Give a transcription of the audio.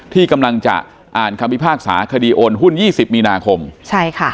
ที่กำลังจะอ่านคำพิพากษาคดีโอนหุ้นยี่สิบมีนาคมใช่ค่ะ